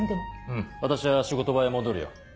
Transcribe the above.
うん私は仕事場へ戻るよ。